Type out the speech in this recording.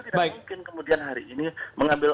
tidak mungkin kemudian hari ini mengambil